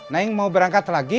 naing mau berangkat lagi